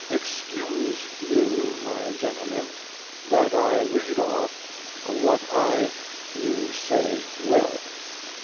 Excuse you, my gentlemen, that I read off, what I you say will.